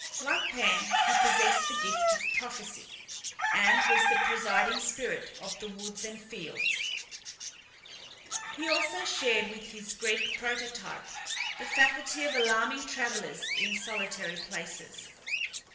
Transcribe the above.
Like Pan, he possessed the gift of prophecy, and was the presiding spirit of the woods and fields; he also shared with his Greek prototype the faculty of alarming travellers in solitary places.